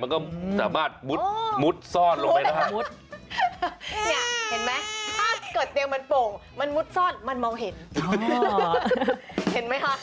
มันเมาเห็นเห็นไหมคะ